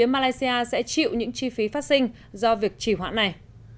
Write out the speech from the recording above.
malaysia sẽ chịu những chi phí phát sinh do việc trì hoãn này